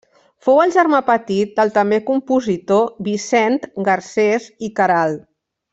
Fou el germà petit del també compositor Vicent Garcés i Queralt.